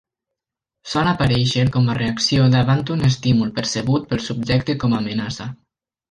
Sol aparèixer com a reacció davant un estímul percebut pel subjecte com a amenaça.